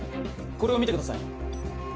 これを見てください